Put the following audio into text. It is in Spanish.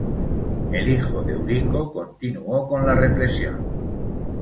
El hijo de Eurico continuó con la represión.